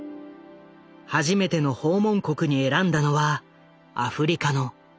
初めての訪問国に選んだのはアフリカのタンザニアだった。